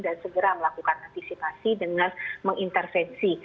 dan segera melakukan antisipasi dengan mengintervensi